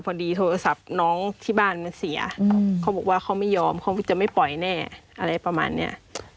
พอดีโทรศัพท์น้องที่บ้านมันเสียเขาบอกว่าเขาไม่ยอมเขาจะไม่ปล่อยแน่อะไรประมาณเนี้ย